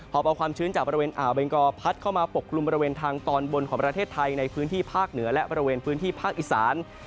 อบเอาความชื้นจากบริเวณอ่าวเบงกอพัดเข้ามาปกกลุ่มบริเวณทางตอนบนของประเทศไทยในพื้นที่ภาคเหนือและบริเวณพื้นที่ภาคอีสาน